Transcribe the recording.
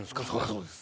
そうです。